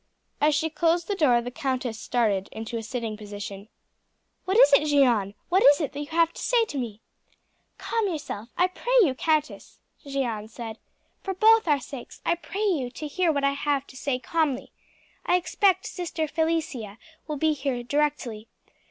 As she closed the door the countess started into a sitting position. "What is it, Jeanne? What is it that you have to say to me?" "Calm yourself, I pray you, countess," Jeanne said. "For both our sakes I pray you to hear what I have to say calmly. I expect Sister Felicia will be here directly.